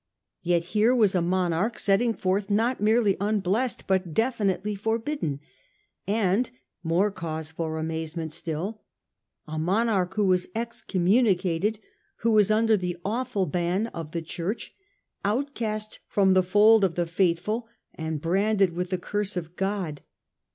Yet here was a monarch setting forth not merely unblessed but definitely forbidden : and more cause for amazement still a monarch who was excommunicated, who was under the awful ban of the Church, outcast from the fold of the faithful and branded with the Curse of God.